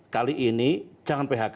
kali ini jangan phk